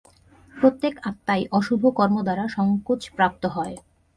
প্রত্যেক আত্মাই অশুভ কর্ম দ্বারা সঙ্কোচ-প্রাপ্ত হয়।